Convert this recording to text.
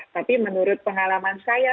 tapi menurut pengalaman saya